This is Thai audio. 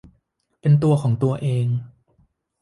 เป็นตัวของตัวเอง